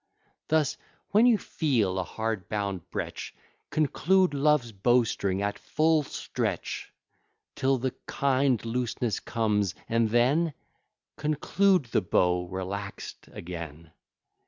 Thus, when you feel a hard bound breech, Conclude love's bow string at full stretch, Till the kind looseness comes, and then, Conclude the bow relax'd again.